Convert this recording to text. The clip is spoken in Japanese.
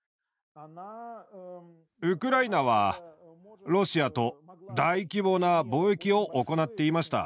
ウクライナはロシアと大規模な貿易を行っていました。